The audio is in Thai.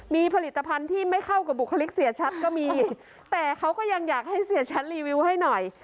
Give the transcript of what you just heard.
มีผลิตภัณฑ์ที่ไม่เข้ากับบุคลิกเสียชัดก็มีแต่เขาก็ยังอยากให้เสียชัดรีวิวให้หน่อย